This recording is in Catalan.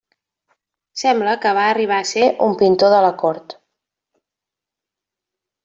Sembla que va arribar a ser un pintor de la cort.